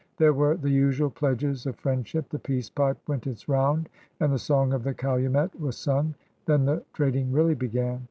There were the usual pledges of friendship; the peace pipe went its round, and the song of the calumet was sung. Then the trading really b^an.